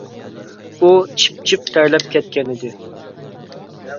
ئۇ چىپ - چىپ تەرلەپ كەتكەنىدى.